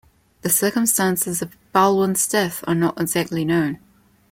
The circumstances of Baldwin's death are not exactly known.